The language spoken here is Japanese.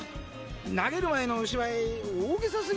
投げる前のお芝居大げさすぎたかなぁ？